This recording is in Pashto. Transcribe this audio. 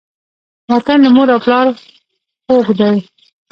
وطن له مور او پلاره خووږ دی.